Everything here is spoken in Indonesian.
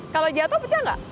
kalau jatuh pecah gak